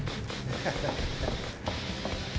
ハハハハ。